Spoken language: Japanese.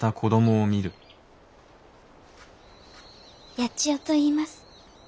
八千代といいます。